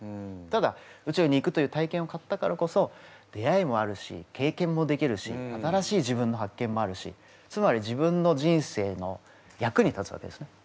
ただ宇宙に行くという体験を買ったからこそ出会いもあるし経験もできるし新しい自分の発見もあるしつまり自分の人生の役に立つわけですね。